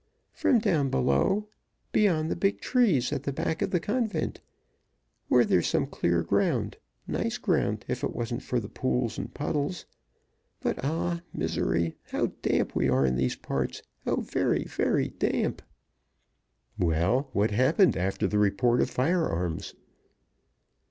"From down below beyond the big trees at the back of the convent, where there's some clear ground nice ground, if it wasn't for the pools and puddles. But, ah! misery, how damp we are in these parts! how very, very damp!" "Well, what happened after the report of firearms?"